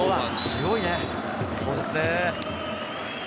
強いね。